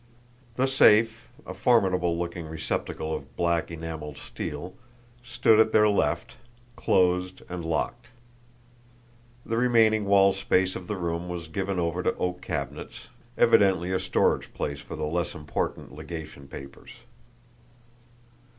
The safe, a formidable looking receptacle of black enameled steel, stood at their left, closed and locked. The remaining wall space of the room was given over to oak cabinets, evidently a storage place for the less important legation papers.